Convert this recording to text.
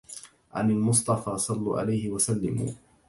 عن المصطفى صلوا عليه وسلموا